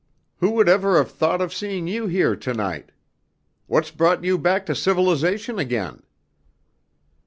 Who would ever have thought of seeing you here to night? What's brought you back to civilisation again?"